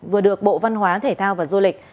vừa được bộ văn hóa thể thao và du lịch